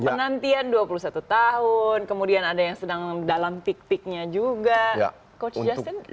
penantian dua puluh satu tahun kemudian ada yang sedang dalam pik piknya juga coach justin